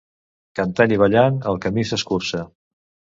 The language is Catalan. Cantant i ballant el camí s'escurça.